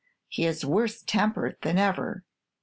He is worse tempered than ever.